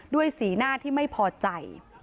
สีหน้าที่ไม่พอใจ